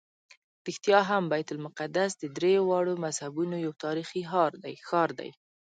رښتیا هم بیت المقدس د درېواړو مذهبونو یو تاریخي ښار دی.